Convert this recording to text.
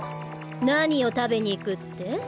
何を食べに行くって？